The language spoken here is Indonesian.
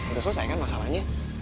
udah selesai kan masalahnya